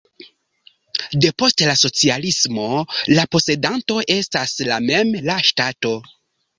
Depost la socialismo la posedanto estas la mem la ŝtato.